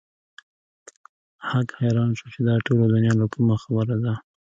هک حيران شو چې دا ټوله دنيا له کومه خبره ده.